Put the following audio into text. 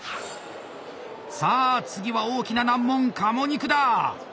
さあ次は大きな難問鴨肉だ！